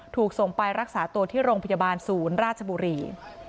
ถูกส่งไปรักษาตัวที่โรงพยาบาลศูนย์ราชบุรี